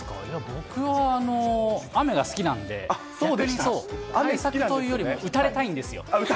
僕は雨が好きなんで、逆に対策というよりも、打たれたいんですよ。